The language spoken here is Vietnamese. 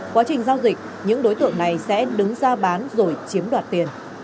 quá trình giao dịch những đối tượng này sẽ đứng ra bán rồi chiếm đoạt tiền